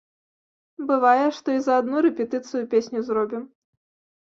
Бывае, што і за адну рэпетыцыю песню зробім.